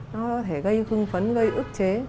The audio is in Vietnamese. nó có thể gây hưng phấn gây ức chế